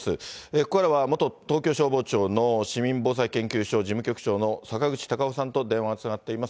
ここからは元東京消防庁の市民防災研究所事務局長の坂口孝夫さんと電話がつながっています。